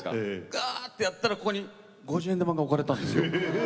がーってやったらここに五十円玉が置かれてたんです。